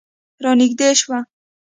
رانږدې شوه.